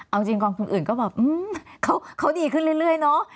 เอาจริงกองทุนอื่นก็แบบเขาดีขึ้นเรื่อยเนาะ